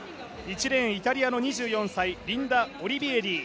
１レーン、イタリアの２４歳、リンダ・オリビエリ。